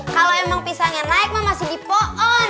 kalau emang pisangnya naik ma masih dipoen